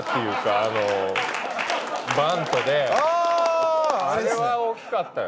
あれは大きかったよ。